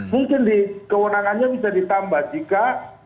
mungkin di kewenangannya bisa ditambah jika